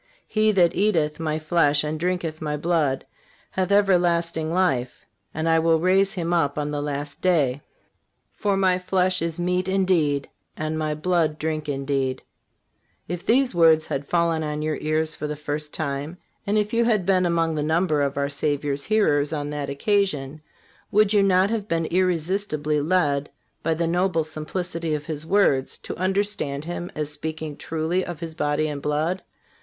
He that eateth My flesh and drinketh My blood hath everlasting life, and I will raise him up on the last day. For My flesh is meat indeed, and My blood drink indeed."(367) If these words had fallen on your ears for the first time, and if you had been among the number of our Savior's hearers on that occasion, would you not have been irresistibly led, by the noble simplicity of His words, to understand Him as speaking truly of His body and blood?